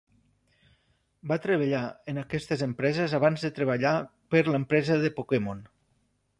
Va treballar en aquestes empreses abans de treballar per l'empresa de Pokémon.